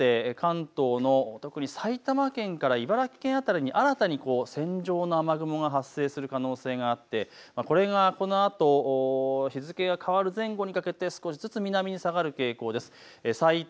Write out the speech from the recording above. このあと夜遅くにかけて関東の特に埼玉県から茨城県辺りに新たな線状の雨雲が発生する可能性があってこれがこのあと日付が変わる前後にかけて少しずつ南に下がる傾向です。